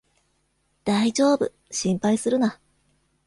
だいじょうぶ、心配するな